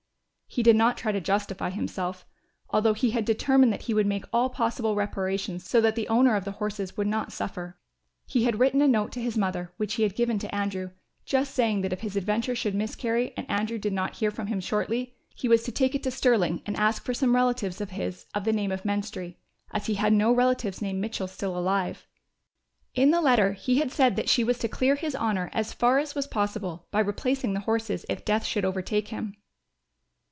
He did not try to justify himself, although he had determined that he would make all possible reparation so that the owner of the horses would not suffer. He had written a note to his mother which he had given to Andrew, just saying that if his adventure should miscarry and Andrew did not hear from him shortly, he was to take it to Stirling and ask for some relatives of his of the name of Menstrie, as he had no relatives named Mitchell still alive. In the letter he had said that she was to clear his honour as far as was possible by replacing the horses if death should overtake him.